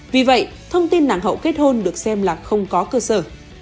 vì vậy thông tin nàng hậu kết hôn được xem là không có cơ sở